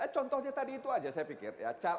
contohnya tadi itu aja saya pikir ya